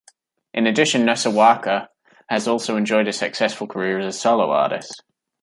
In addition, Nosowska has also enjoyed a successful career as a solo artist.